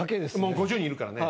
５０人いるからね。